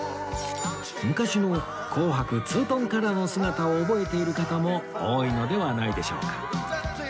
昔の紅白ツートンカラーの姿を覚えている方も多いのではないでしょうか？